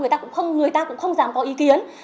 người ta cũng không dám có ý kiến